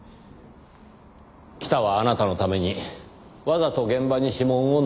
北はあなたのためにわざと現場に指紋を残した。